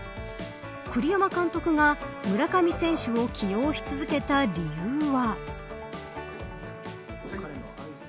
栗山監督が村上選手を起用し続けた理由は。